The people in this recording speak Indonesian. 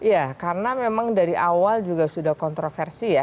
ya karena memang dari awal juga sudah kontroversi ya